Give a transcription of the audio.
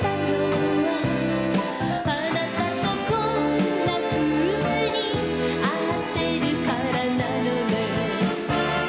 「あなたとこんなふうに会ってるからなのね」